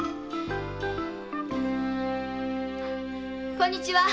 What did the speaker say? こんにちは。